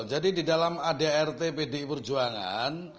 jadi di dalam adrt bdip perjuangan